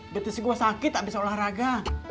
betul sih gue sakit gak bisa olahraga